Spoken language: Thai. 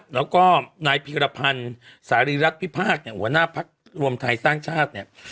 แล้วก็นายพีรพันธ์สารีรัฐพิพากษ์เนี่ยหัวหน้าพักรวมไทยสร้างชาติเนี่ย